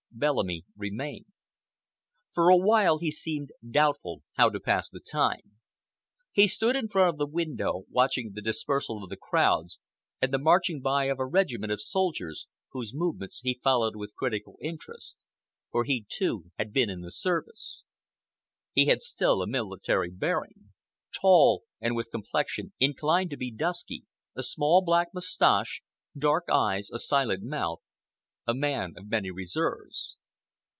Bellamy remained. For a while he seemed doubtful how to pass the time. He stood in front of the window, watching the dispersal of the crowds and the marching by of a regiment of soldiers, whose movements he followed with critical interest, for he, too, had been in the service. He had still a military bearing,—tall, and with complexion inclined to be dusky, a small black moustache, dark eyes, a silent mouth,—a man of many reserves.